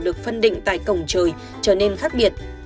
được phân định tại cổng trời trở nên khác biệt